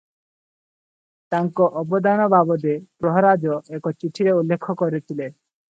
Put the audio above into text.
ତାଙ୍କ ଅବଦାନ ବାବଦେ ପ୍ରହରାଜ ଏକ ଚିଠିରେ ଉଲ୍ଲେଖ କରିଥିଲେ ।